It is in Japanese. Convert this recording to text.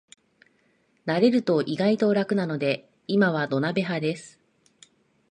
慣れると意外と楽なので今は土鍋派です